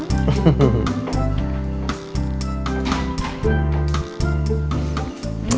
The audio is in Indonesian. saya akan mencoba